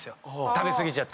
食べ過ぎちゃった。